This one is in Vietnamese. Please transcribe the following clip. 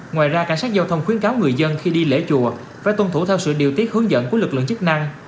ngoài ra cảnh sát giao thông khuyến cáo người dân khi đi lễ chùa phải tuân thủ theo sự điều tiết hướng dẫn của lực lượng chức năng